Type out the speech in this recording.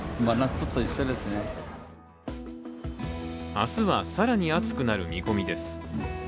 明日は、更に暑くなる見込みです。